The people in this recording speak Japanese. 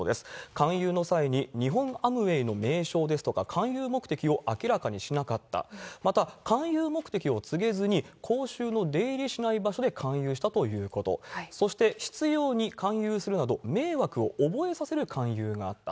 勧誘の際に日本アムウェイの名称ですとか勧誘目的を明らかにしなかった、また勧誘目的を告げずに、公衆の出入りしない場所で勧誘したということ、そして執ように勧誘するなど、迷惑を覚えさせる勧誘があった。